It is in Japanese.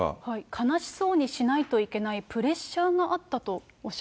悲しそうにしないといけないプレッシャーがあったとおっしゃ